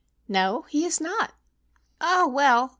"No, he has not." "Ah, well!